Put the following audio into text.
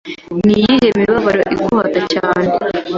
Niyihe mibabaro iguhata cyane